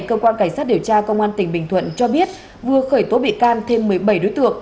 cơ quan cảnh sát điều tra công an tỉnh bình thuận cho biết vừa khởi tố bị can thêm một mươi bảy đối tượng